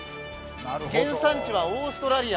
原産地はオーストラリア。